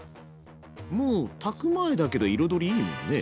もう炊く前だけど彩りいいもんね？